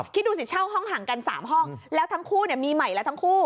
คิดดูสิเช่าห้องห่างกัน๓ห้องแล้วทั้งคู่มีใหม่แล้วทั้งคู่